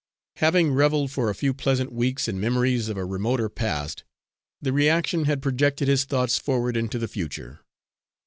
Having revelled for a few pleasant weeks in memories of a remoter past, the reaction had projected his thoughts forward into the future.